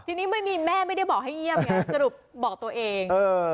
ทีนี้ไม่มีแม่ไม่ได้บอกให้เยี่ยมไงสรุปบอกตัวเอง